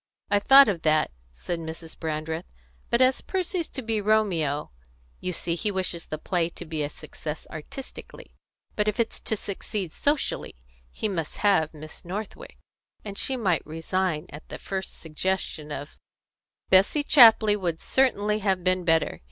"I thought of that," said Mrs. Brandreth; "but as Percy's to be Romeo You see he wishes the play to be a success artistically; but if it's to succeed socially, he must have Miss Northwick, and she might resign at the first suggestion of " "Bessie Chapley would certainly have been better.